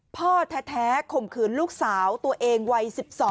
พ่อแท้ข่มขืนลูกสาวตัวเองวัย๑๒